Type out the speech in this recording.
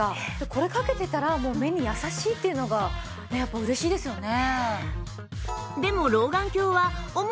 これかけてたらもう目に優しいっていうのがやっぱり嬉しいですよね。